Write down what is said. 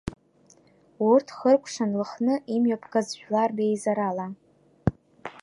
Урҭ хыркәшан Лыхны имҩаԥгаз жәлар реизарала.